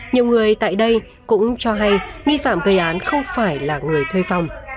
nhiều người tại đây cũng cho hay nghi phạm gây án không phải là người thuê phòng